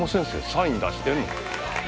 サイン出してんの？